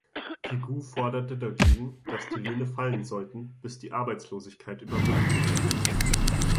Pigou forderte dagegen, dass die Löhne fallen sollten, bis die Arbeitslosigkeit überwunden wäre.